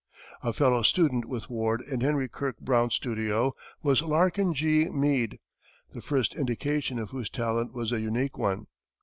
A fellow student with Ward in Henry Kirke Brown's studio was Larkin G. Meade, the first indication of whose talent was a unique one.